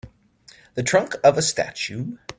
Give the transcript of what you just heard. The trunk of a statue